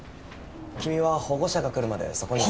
君は保護者が来るまでそこに。